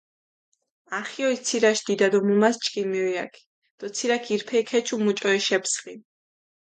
ახიოლ ცირაშ დიდა დო მუმას ჩქინ მეულაქ დო ცირაქ ირფელი ქეჩიუ მუჭო ეშეფრსხინ.